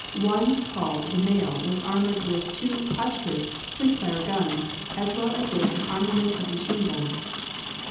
One called the male was armed with two Hotchkiss quick fire guns, as well as with an armament of machine guns.